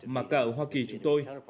mà cả ở hoa kỳ chúng tôi